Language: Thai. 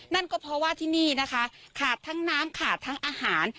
นั่นก็เพราะว่าที่นี่นะคะขาดทั้งน้ำขาดทั้งอาหาร